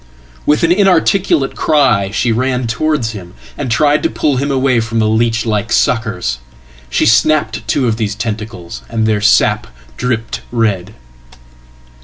With an inarticulate cry she ran towards him, and tried to pull him awayfrom the leech like suckers. She snapped two of these tentacles, and theirsap dripped red.